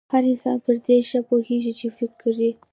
هر انسان پر دې ښه پوهېږي چې فکري